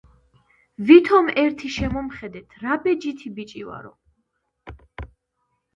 ვითომ ერთი შემომხედეთ, რა ბეჯითი ბიჭი ვარო.